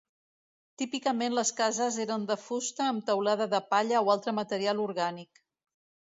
Típicament les cases eren de fusta amb teulada de palla o altre material orgànic.